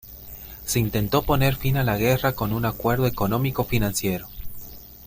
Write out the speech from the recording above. Se intentó poner fin a la guerra con a un acuerdo económico-financiero.